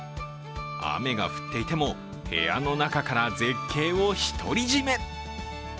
雨が降っていても部屋の中から絶景を独り占め。